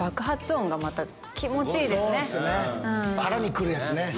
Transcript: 腹に来るやつね。